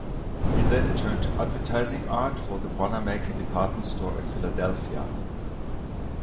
He then turned to advertising art for the Wanamaker department store in Philadelphia.